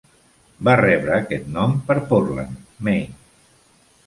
Va rebre aquest nom per Portland, Maine.